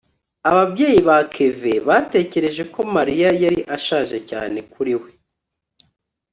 ababyeyi ba kevin batekereje ko mariya yari ashaje cyane kuri we